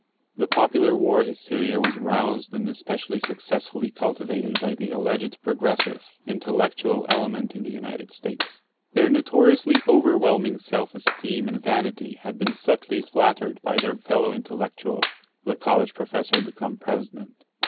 The popular war hysteria was roused and especially successfully cultivated by the alleged progressive, "intellectual" element in the United States. Their notoriously overwhelming self esteem and vanity had been subtly flattered by their fellow intellectual, the college professor become President.